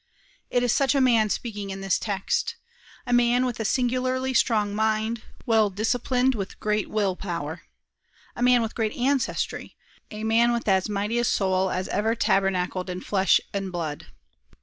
"It is such a man speaking in this text. A man with a singularly strong mind, well disciplined, with great will power; a man with a great ancestry; a man with as mighty a soul as ever tabernacled in flesh and blood.